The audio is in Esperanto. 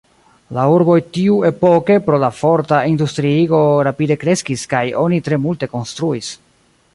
La urboj tiuepoke pro la forta industriigo rapide kreskis kaj oni tre multe konstruis.